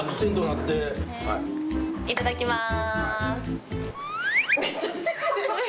いただきます！